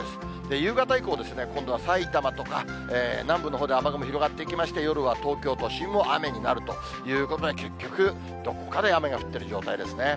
夕方以降、今度は埼玉とか南部のほうで雨雲広がってきまして、夜は東京都心も雨になるということで、結局、どこかで雨が降ってる状態ですね。